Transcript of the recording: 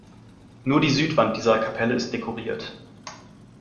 Nur die Südwand dieser Kapelle ist dekoriert.